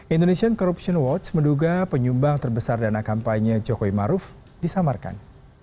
indonesian corruption watch menduga penyumbang terbesar dana kampanye jokowi maruf disamarkan